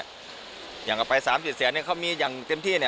อย่างเอาไป๓๗แสนเขามีอย่างเต็มที่